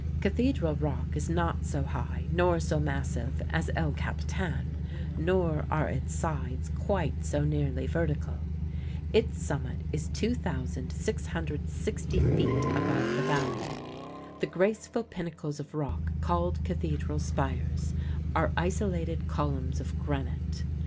Cathedral Rock is not so high nor so massive as El Capitan, nor are its sides quite so nearly vertical. Its summit is 2,660 feet above the Valley. The graceful pinnacles of rock called Cathedral Spires are isolated columns of granite.